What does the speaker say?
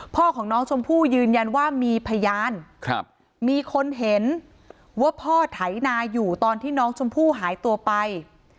พ่อของน้องชมพู่ยืนยันว่ามีพยานมีคนเห็นว่าพ่อไถนาอยู่ตอนที่น้องชมพู่หายตัวไป